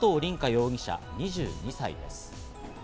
容疑者、２２歳です。